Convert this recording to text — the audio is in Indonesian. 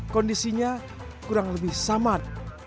kondisinya kurang lebih samad